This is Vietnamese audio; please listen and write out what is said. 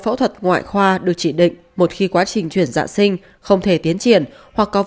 phẫu thuật ngoại khoa được chỉ định một khi quá trình chuyển dạ sinh không thể tiến triển hoặc có